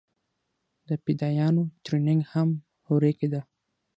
د فدايانو ټرېننگ هم هورې کېده.